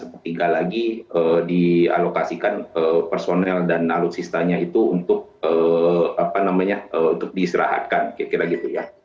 satu per tiga lagi dialokasikan personel dan alutsistanya itu untuk diserahkan kira kira gitu ya